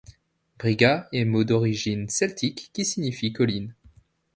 Briga est mot d'origine celtique qui signifie colline.